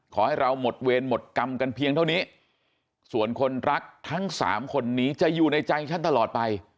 ขอให้เราหมดเวรหมดกรรมกันเพียงเท่านี้ส่วนคนรักทั้งสามคนนี้จะอยู่ในใจฉันตลอดไป